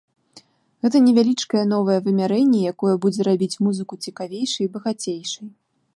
Гэта невялічкае новае вымярэнне, якое будзе рабіць музыку цікавейшай і багацейшай.